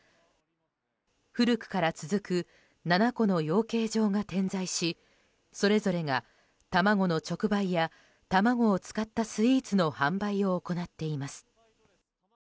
古くから続く７戸の養鶏場が点在しそれぞれが、卵の直売や卵を使ったスイーツの販売を行っています。